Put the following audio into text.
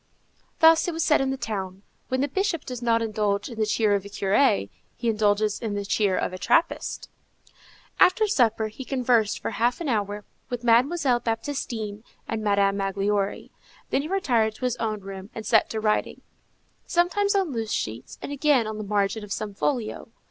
Thus it was said in the town, when the Bishop does not indulge in the cheer of a curé, he indulges in the cheer of a trappist. After supper he conversed for half an hour with Mademoiselle Baptistine and Madame Magloire; then he retired to his own room and set to writing, sometimes on loose sheets, and again on the margin of some folio.